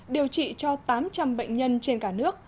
điều trị cho tám trăm linh bệnh nhân trên cả nước